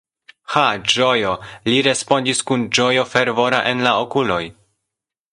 Ha, ĝojo! li respondis kun ĝojo fervora en la okuloj.